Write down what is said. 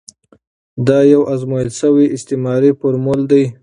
دا یو ازمویل شوی استعماري فورمول دی.